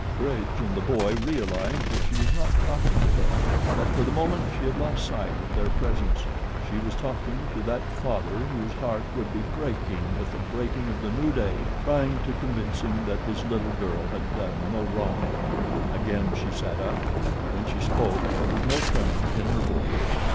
Bridge and the boy realized that she was not talking to them that for the moment she had lost sight of their presence she was talking to that father whose heart would be breaking with the breaking of the new day, trying to convince him that his little girl had done no wrong. Again she sat up, and when she spoke there was no tremor in her voice.